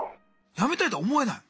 やめたいとは思えない。